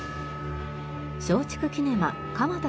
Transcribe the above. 松竹キネマ蒲田